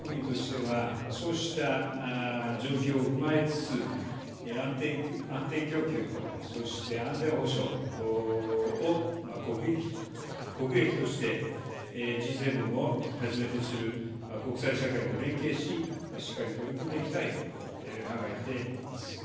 わが国としては、そうした状況を踏まえつつ、安定供給と、そして安全保障を国益として、Ｇ７をはじめとする国際社会と連携し、しっかり取り組んでいきたいと考えています。